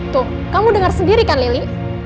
tuh kamu dengar sendiri kan lili